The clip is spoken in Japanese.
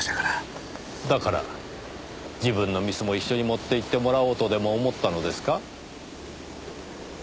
だから自分のミスも一緒に持っていってもらおうとでも思ったのですか？